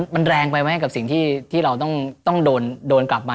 มันแรงไปไหมกับสิ่งที่เราต้องโดนกลับมา